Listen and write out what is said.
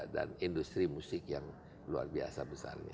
dan industri musik yang luar biasa besarnya